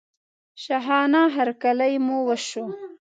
شاهانه هرکلی مو وشو.